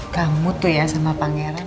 kamu tuh ya sama pangeran